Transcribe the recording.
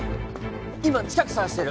今近く捜してる。